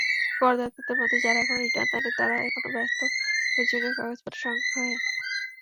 করদাতাদের মধ্যে যাঁরা এখনো রিটার্ন দেননি, তাঁরা এখন ব্যস্ত প্রয়োজনীয় কাগজপত্র সংগ্রহে।